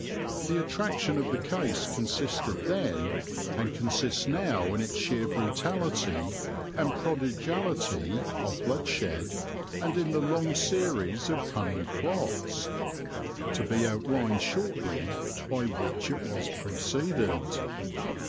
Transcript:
The attraction of the case consisted then, and consists now, in its sheer brutality and prodigality of bloodshed and in the long series of cunning plots, to be outlined shortly, by which it was preceded.